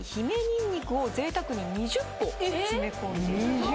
にんにくを贅沢に２０個詰め込んでいます